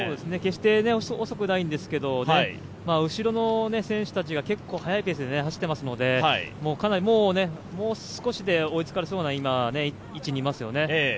決して遅くないんですけど、後ろの選手たちが結構速いペースで走っていますので、もう少しで追いつかれそうな位置にいますよね。